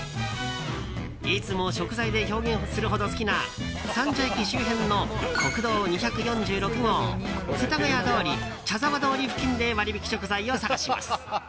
いつも食材で表現するほど好きな三茶駅周辺の国道２４６号世田谷通り、茶沢通り付近で割引食材を探します。